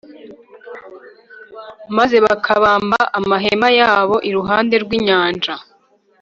maze bakabamba amahema yabo iruhande rw’inyanja.